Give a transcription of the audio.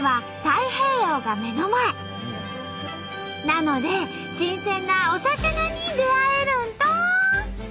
なので新鮮なお魚に出会えるんと！